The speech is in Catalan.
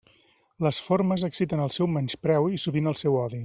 Les formes exciten el seu menyspreu i sovint el seu odi.